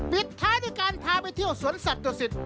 ปิดท้ายที่การพาไปเที่ยวสวนสัตว์ตัวสิทธิ์